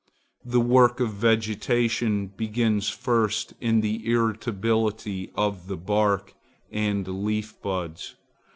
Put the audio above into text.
The work of vegetation begins first in the irritability of the bark and leaf buds.